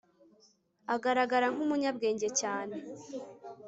agaragara nk'umunyabwenge cyane